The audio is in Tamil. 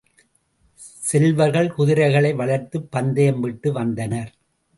செல்வர்கள் குதிரைகளை வளர்த்துப் பந்தயம் விட்டு வந்தனர்.